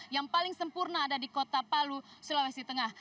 yang paling sempurna ada di kota palu sulawesi tengah